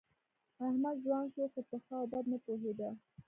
احمد ځوان شو، خو په ښه او بد نه پوهېده.